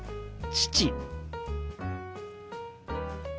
父。